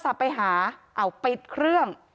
ความปลอดภัยของนายอภิรักษ์และครอบครัวด้วยซ้ำ